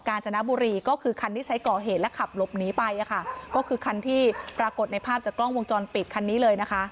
จนบุรีก็คือคันที่ใช้ก่อเหตุและขับหลบหนีไปอ่ะค่ะก็คือคันที่ปรากฏในภาพจากกล้องวงจรปิดคันนี้เลยนะคะ